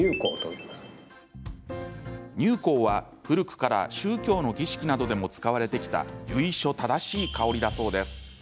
乳香は、古くから宗教の儀式などでも使われてきた由緒正しい香りだそうです。